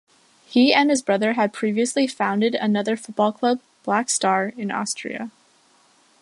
He and his brother had previously founded another football club, Black Star, in Austria.